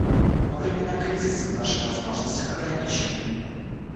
Во времена кризисов наши возможности ограничены.